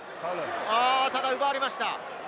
あー、ただ奪われました。